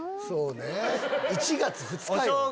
そうね１月２日よ。